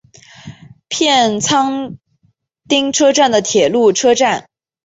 片仓町车站的铁路车站。